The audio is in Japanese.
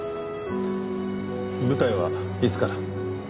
舞台はいつから？